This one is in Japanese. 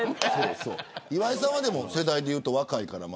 岩井さんは世代でいうと若いから。